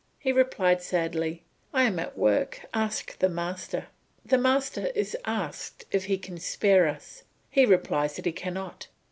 He replied sadly, "I am at work, ask the master." The master is asked if he can spare us. He replies that he cannot.